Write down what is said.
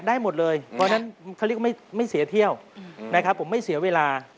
ได้หมดเลยเพราะฉะนั้นเขาเรียกว่าไม่เสียเที่ยวนะครับผมไม่เสียเวลา